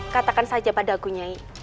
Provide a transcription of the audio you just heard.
katakan saja padaku nyai